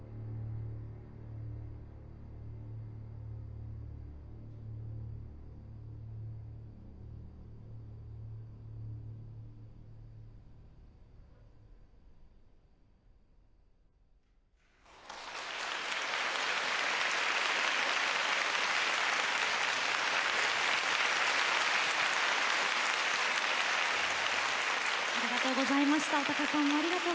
尾高さんもありがとうございました。